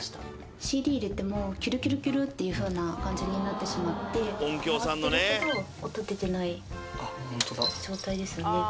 ＣＤ入れてもキュルキュルキュルっていうふうな感じになってしまって回ってるけど音出てない状態ですねこれ。